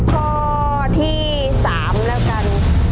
ข้อที่๓แล้วกัน